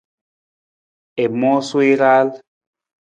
I moosa i raal.